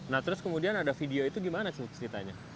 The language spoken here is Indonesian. nah terus kemudian ada video itu gimana sih ceritanya